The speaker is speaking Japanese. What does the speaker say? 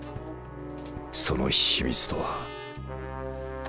その秘密とは